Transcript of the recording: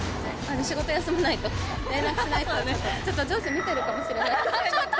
仕事を休まないと、連絡しないと、ちょっと、上司見てるかもしれない。